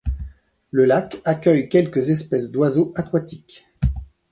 Le lac accueille quelques espèces d'oiseaux aquatiques.